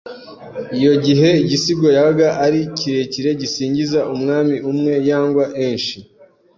Iyo gihe igisigo yaga ari kirekire gisingiza umwami umwe yangwa enshi